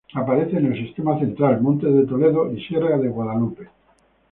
Aparece en el sistema Central, Montes de Toledo y sierra de Guadalupe.